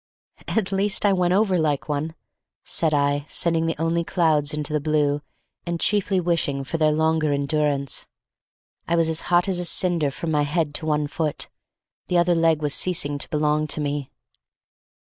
"At least I went over like one," said I, sending the only clouds into the blue, and chiefly wishing for their longer endurance. I was as hot as a cinder from my head to one foot; the other leg was ceasing to belong to me.